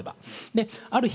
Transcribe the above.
である日